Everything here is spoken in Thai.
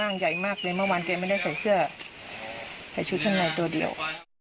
ในตัวเดียว